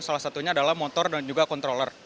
salah satunya adalah motor dan juga controller